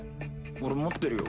俺持ってるよ。